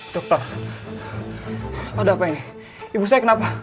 dokter apa ini ibu saya kenapa